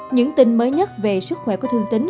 những tin mới nhất về sức khỏe của thương tính